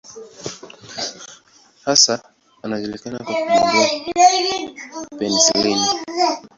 Hasa anajulikana kwa kugundua penisilini.